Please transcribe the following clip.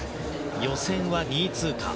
予選は２位通過。